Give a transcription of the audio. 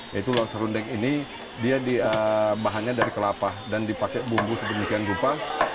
yaitu makanan sehundeng ini bahannya dari kelapa dan dipakai bumbu seperti yang lupa